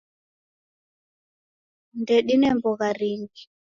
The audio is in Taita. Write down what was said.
Ndedine mbogha ringi.